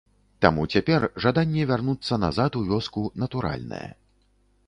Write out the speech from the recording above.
Таму цяпер жаданне вярнуцца назад у вёску натуральнае.